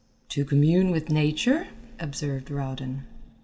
"To commune with nature?" observed Rowden.